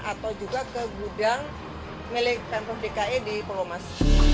atau juga ke gudang milik pemprov dki di pulau mas